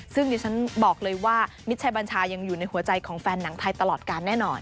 ซึ่งดิฉันบอกเลยว่ามิตรชัยบัญชายังอยู่ในหัวใจของแฟนหนังไทยตลอดการแน่นอน